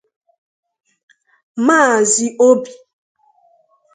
Maazị Obi